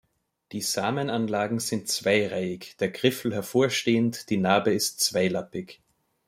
Die Samenanlagen sind zweireihig, der Griffel hervorstehend, die Narbe ist zweilappig.